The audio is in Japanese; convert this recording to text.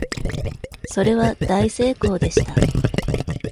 それは大成功でした。